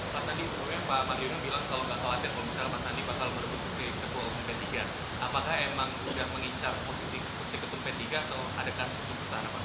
pak sandi sebenarnya pak mandir bilang kalau gak kelatir pak sandi bakal menemukan keputusan ketua pembedikan apakah emang sudah mengincar keputusan ketua pembedikan atau adekan suatu kesalahan